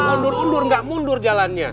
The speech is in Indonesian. undur undur gak mundur jalannya